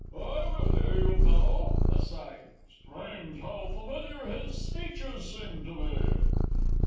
I will hear you, fellow! (Aside.) Strange how familiar his features seem to me!